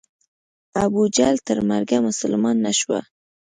ابوجهل تر مرګه مسلمان نه شو.